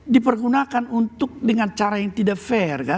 dipergunakan untuk dengan cara yang tidak fair kan